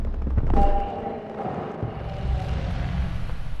Badakigu hori gezurra dela, baina egiarik gabe geratu gara.